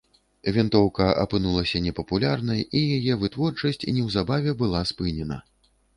Вінтоўка апынулася непапулярнай, і яе вытворчасць неўзабаве была спынена.